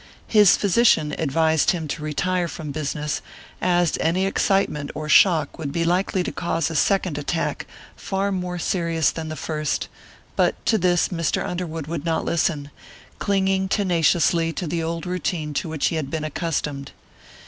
His physician advised him to retire from business, as any excitement or shock would be likely to cause a second attack far more serious than the first; but to this Mr. Underwood would not listen, clinging tenaciously to the old routine to which he had been accustomed.